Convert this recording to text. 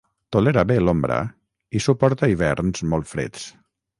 Tolera bé l'ombra i suporta hiverns molt freds.